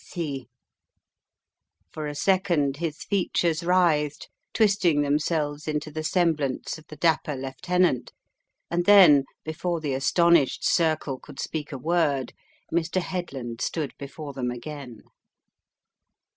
See." For a second his features writhed, twisting themselves into the semblance of the dapper lieutenant, and then before the astonished circle could speak a word, Mr. Headland stood before them again.